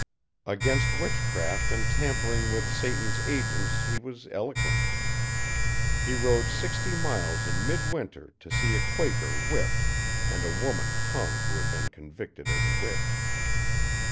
Against witchcraft and tampering with Satan's agents he was eloquent. He rode sixty miles in midwinter to see a Quaker whipped and a woman hung who had been convicted as a witch.